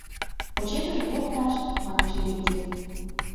— Почешыже покташ, — манеш Еренте.